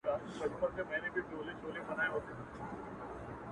• یو وصیت یې په حُجره کي وو لیکلی,